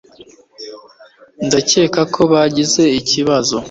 Ndakeka ko wagize ikibazo